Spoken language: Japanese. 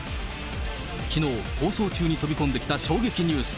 きのう、放送中に飛び込んできた衝撃ニュース。